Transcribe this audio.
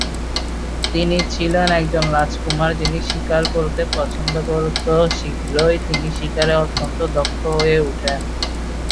তিনি ছিলেন একজন রাজকুমার যিনি শিকার করতে পছন্দ করত কিন্তু শীঘ্রই তিনি শিকারে অত্যন্ত দক্ষ হয়ে উঠেন।